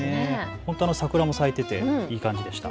本当、桜も咲いてていい感じでした。